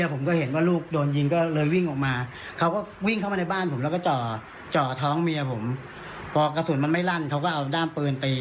พอกระสุนมันไม่รั่นเขาก็เอาด้ามปืนตี